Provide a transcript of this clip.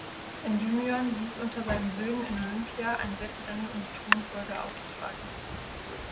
Endymion ließ unter seinen Söhnen in Olympia ein Wettrennen um die Thronfolge austragen.